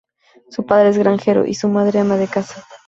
Su padre es granjero y su madre ama de casa.